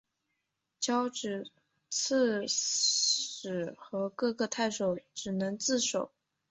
交址刺史和各个太守只能自守。